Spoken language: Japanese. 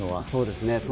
そうですね。